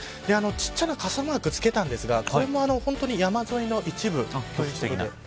小さな傘マークつけたんですがこれも本当に山沿いの一部ということで。